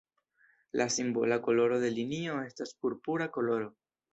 La simbola koloro de linio estas purpura koloro.